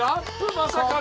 まさかの！